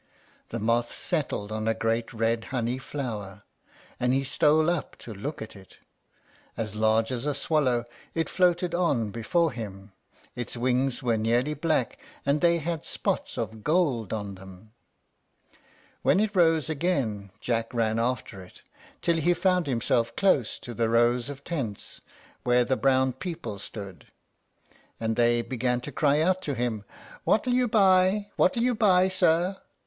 The moth settled on a great red honey flower, and he stole up to look at it. As large as a swallow, it floated on before him. Its wings were nearly black, and they had spots of gold on them. When it rose again Jack ran after it, till he found himself close to the rows of tents where the brown people stood; and they began to cry out to him, "What'll you buy? what'll you buy, sir?"